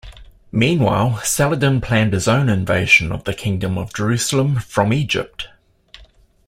Meanwhile, Saladin planned his own invasion of the Kingdom of Jerusalem from Egypt.